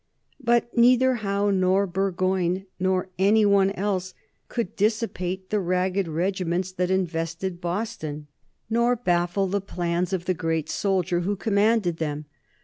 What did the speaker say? But neither Howe nor Burgoyne nor any one else could dissipate the ragged regiments that invested Boston, nor baffle the plans of the great soldier who commanded them.